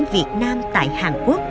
việt nam tại hn